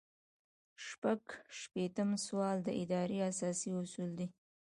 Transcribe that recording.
شپږ شپیتم سوال د ادارې اساسي اصول دي.